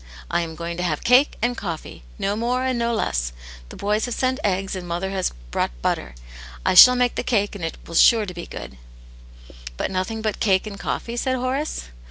I am going to have cake and coffee; no more and no less^ The boys have sent eggs, and mother has brought butter ; I shall make the cake, and it will be sure to begopd/V " But nothing but cake and coffee?" said Horace.